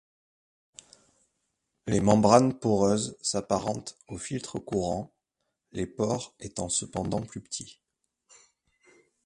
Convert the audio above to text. Les membranes poreuses s’apparentent aux filtres courants, les pores étant cependant plus petits.